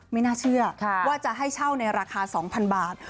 ไม่น่าเชื่อว่าจะให้เช่าในราคา๒๐๐๐บาท